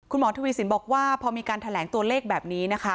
คุณหมอทวีสินบอกว่าพอมีการแถลงตัวเลขแบบนี้นะคะ